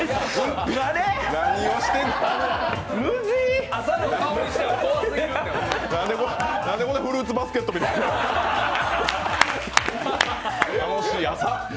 なんでこんなフルーツバスケットみたいな、楽しい朝。